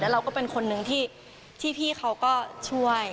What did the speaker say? เราก็เป็นคนนึงที่พี่เขาก็ช่วย